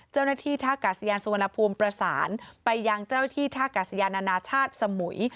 เจ้าหน้าที่ท่ากาศยานสุวรรณภูมิประสานไปยังเจ้าที่ท่ากาศยานานาชาติสมุย